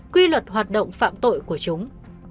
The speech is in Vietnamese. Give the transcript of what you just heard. quy luật hoạt động phạm tội của chúng